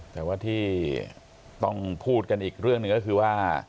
แต่ว่าที่ต้องพูดกันอีกเรื่องหนึ่งก็คือว่า